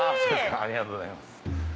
ありがとうございます。